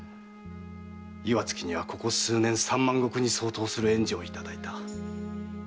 岩槻にはここ数年三万石に相当する援助をいただいた。